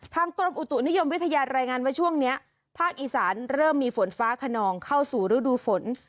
กรมอุตุนิยมวิทยารายงานว่าช่วงนี้ภาคอีสานเริ่มมีฝนฟ้าขนองเข้าสู่ฤดูฝน